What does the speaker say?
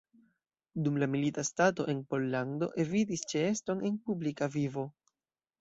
Dum la milita stato en Pollando evitis ĉeeston en publika vivo.